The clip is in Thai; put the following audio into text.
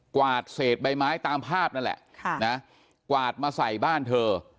วาดเศษใบไม้ตามภาพนั่นแหละค่ะนะกวาดมาใส่บ้านเธอ